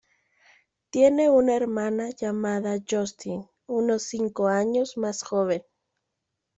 Tiene una hermana llamada Justine, unos cinco años más joven.